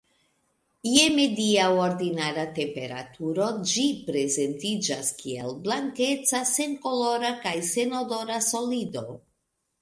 Je media ordinara temperaturo ĝi prezentiĝas kiel blankeca-senkolora kaj senodora solido.